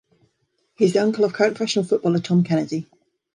He is the uncle of current professional footballer Tom Kennedy.